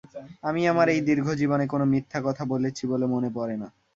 আমি আমার এই দীর্ঘ জীবনে কোনো মিথ্যা কথা বলেছি বলে মনে পড়ে না।